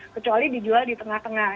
kecuali dijual di tengah tengah